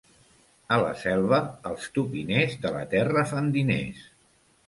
A la Selva, els tupiners, de la terra fan diners.